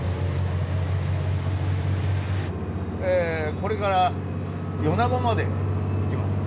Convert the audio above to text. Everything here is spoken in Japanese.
これから米子まで行きます。